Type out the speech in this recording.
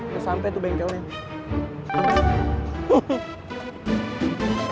kesampe tuh bengkelnya